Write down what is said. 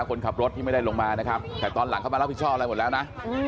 คนขับรถที่ไม่ได้ลงมานะครับแต่ตอนหลังเข้ามารับผิดชอบอะไรหมดแล้วนะ